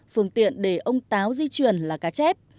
phương tiện để ông táo di chuyển là cá chép